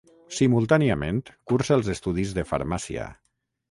Simultàniament, cursa els estudis de Farmàcia.